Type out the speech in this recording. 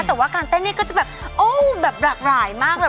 แต่ว่าการเต้นนี่ก็จะแบบโอ้แบบหลากหลายมากเลย